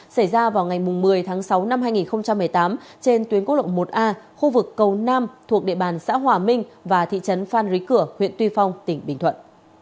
xảy ra vào ngày một mươi tháng sáu năm hai nghìn một mươi tám trên tuyến quốc lộ một a khu vực cầu nam thuộc địa bàn xã hòa minh và thị trấn phan rí cửa huyện tuy phong tỉnh bình thuận